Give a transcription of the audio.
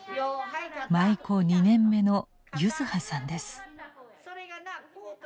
舞妓２年目の柚子葉さんです。